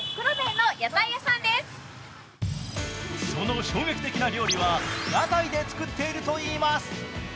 その衝撃的な料理は屋台で作っているといいます。